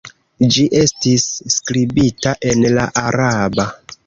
Ĝi estis skribita en la araba.